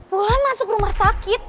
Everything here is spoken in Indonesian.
wulan masuk rumah sakit